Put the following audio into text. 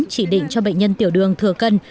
chỉ định cho bệnh nhân tiểu đường thừa cân